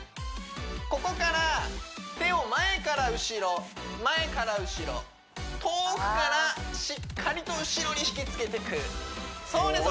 ここから手を前から後ろ前から後ろ遠くからしっかりと後ろに引きつけてくそうです